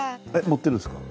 持ってるんですか？